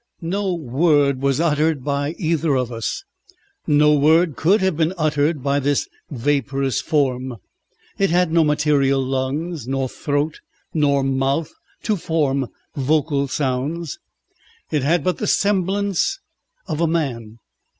No word was uttered by either of us; no word could have been uttered by this vaporous form. It had no material lungs, nor throat, nor mouth to form vocal sounds. It had but the semblance of a man.